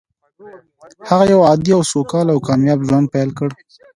هغه يو عادي او سوکاله او کامياب ژوند پيل کړ.